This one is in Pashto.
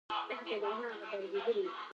نفت د افغانستان د اقلیم ځانګړتیا ده.